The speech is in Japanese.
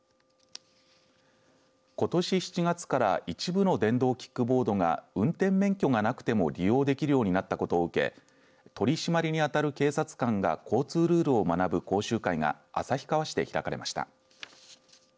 ことし７月から一部の電動キックボードが運転免許がなくても利用できるようになったことを受け取締りに当たる警察官が交通ルールを学ぶ講習会が旭川市で開かれました。